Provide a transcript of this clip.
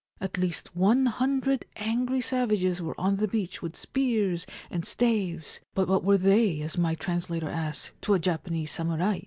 At least one hundred angry savages were on the beach with spears and staves ; but what were they (as my translator asks) to a Japanese samurai